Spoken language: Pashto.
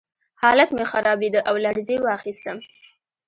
حالت مې خرابېده او لړزې واخیستم